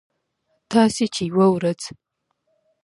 تاسې چې یوه ورځ